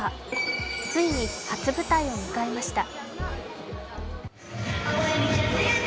ついに初舞台を迎えました。